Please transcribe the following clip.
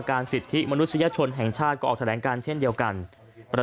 สิทธิมนุษยชนแห่งชาติก็ออกแถลงการเช่นเดียวกันประ